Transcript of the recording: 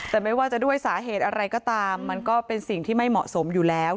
แต่ไม่ว่าจะด้วยสาเหตุอะไรก็ตามมันก็เป็นสิ่งที่ไม่เหมาะสมอยู่แล้ว